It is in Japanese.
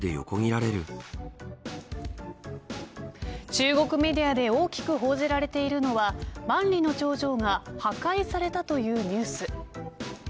中国メディアで大きく報じられているのは万里の長城が破壊されたというニュース。